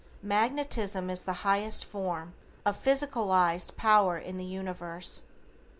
Magnetism is the highest form of physicalized power in the universe.